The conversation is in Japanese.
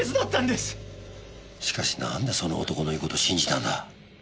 しかしなんでその男の言う事を信じたんだ？